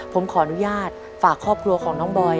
ผมขออนุญาตฝากครอบครัวของน้องบอย